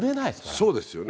そうですよね。